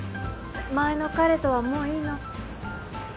前の彼とはもういいの？